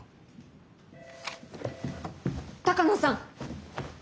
鷹野さん！